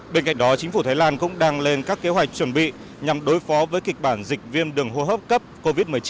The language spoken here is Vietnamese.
bên cạnh đó chính phủ thái lan cũng đang lên các kế hoạch chuẩn bị nhằm đối phó với kịch bản dịch viêm đường hô hấp cấp covid một mươi chín